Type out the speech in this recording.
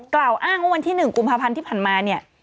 กล่าวอ้างว่าวันที่๑กุมภาพันธ์ที่ผ่านมาเนี่ย